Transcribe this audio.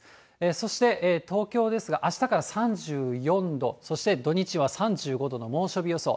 そして東京ですが、あしたから３４度、そして土日は３５度の猛暑日予想。